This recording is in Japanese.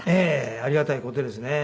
ありがたい事ですね。